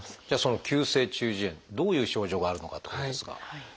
じゃあその急性中耳炎どういう症状があるのかってことですが。